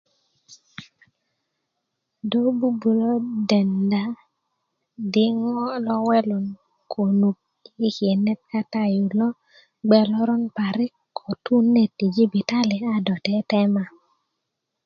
do bubulö denda di ŋo lo welun konuk i kinet kata yu lo gbe loron parik ko tu net i jibitali a do teetema